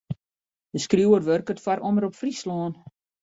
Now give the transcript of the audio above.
De skriuwer wurket foar Omrop Fryslân.